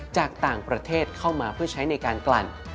จากต่างประเทศเข้ามาเพื่อใช้ในการกลั่น